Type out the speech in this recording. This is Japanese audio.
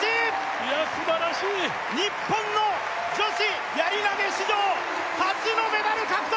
いや素晴らしい日本の女子やり投史上初のメダル獲得！